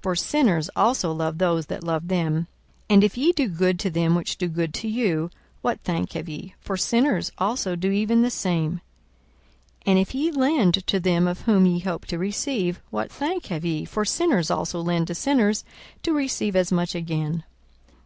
for sinners also love those that love them. 42:006:033 And if ye do good to them which do good to you, what thank have ye? for sinners also do even the same. 42:006:034 And if ye lend to them of whom ye hope to receive, what thank have ye? for sinners also lend to sinners, to receive as much again.